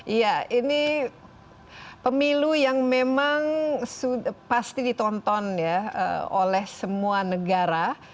iya ini pemilu yang memang pasti ditonton ya oleh semua negara